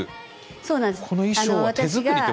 そうなんです。